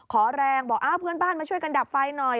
ขอแรงบอกเพื่อนบ้านมาช่วยกันดับไฟหน่อย